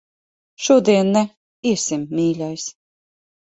Šodien ne. Iesim, mīļais.